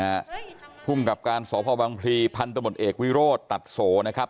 ภูมิกับการสพวังพลีพันธบทเอกวิโรธตัดโสนะครับ